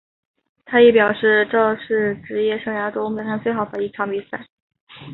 他亦表示这是职业生涯中表现最好的一场比赛。